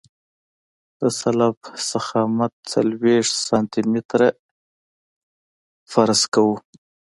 د سلب ضخامت څلوېښت سانتي متره فرض کوو